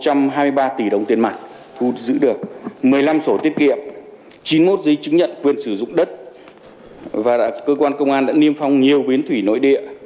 hơn một trăm hai mươi ba tỷ đồng tiền mặt thu giữ được một mươi năm sổ tiết kiệm chín mươi một giấy chứng nhận quyền sử dụng đất và cơ quan công an đã niêm phong nhiều biến thủy nội địa